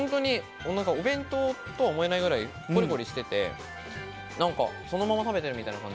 お弁当とは思えないくらいコリコリしていて、そのまま食べているみたい。